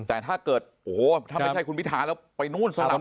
แต่ถ้าเกิดโอ้โหถ้าไม่ใช่คุณพิทาแล้วไปนู่นสลับ